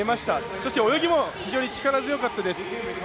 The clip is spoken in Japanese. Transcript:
そして、泳ぎも非常に力強かったです。